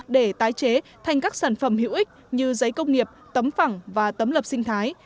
để tái chế thành các sản phẩm hữu ích như giấy công nghiệp tấm phẳng và tấm lập sinh thái